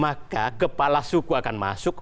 maka kepala suku akan masuk